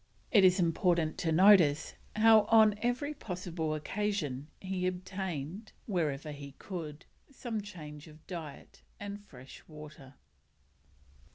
It is important to notice how on every possible occasion he obtained, wherever he could, some change of diet and fresh water.